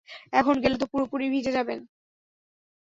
এখন গেলে তো পুরোপুরি ভিজে যাবেন।